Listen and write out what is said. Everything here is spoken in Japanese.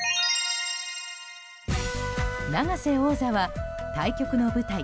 永瀬王座は対局の舞台